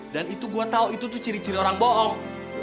dan itu gue tau itu tuh ciri ciri orang bohong